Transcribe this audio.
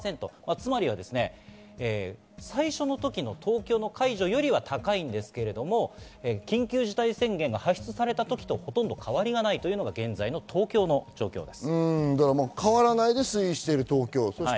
つまり最初の時の東京の解除よりは高いんですが、緊急事態宣言が発出された時とほとんど変わりがないというのが現在の東京の状況です。